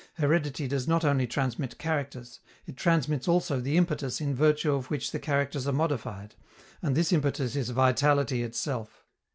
Heredity does not only transmit characters; it transmits also the impetus in virtue of which the characters are modified, and this impetus is vitality itself.